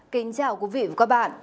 kính chào quý vị và các bạn